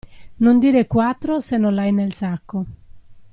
Non dire quattro se non l'hai nel sacco.